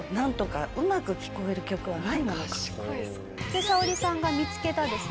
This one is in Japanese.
でサオリさんが見つけたですね